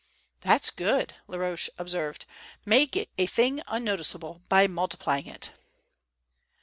"That's good," Laroche observed. "Make a thing unnoticeable by multiplying it!"